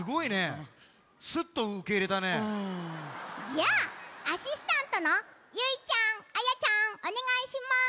じゃあアシスタントのゆいちゃんあやちゃんおねがいします。